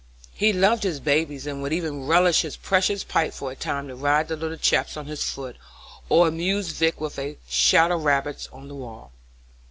He loved his babies and would even relinquish his precious pipe for a time to ride the little chaps on his foot, or amuse Vic with shadow rabbit's on the wall.